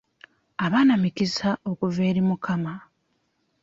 Abaana mikisa okuva eri mukama.